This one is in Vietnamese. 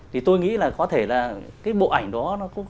thì tôi nghĩ là có thể là cái bộ ảnh đó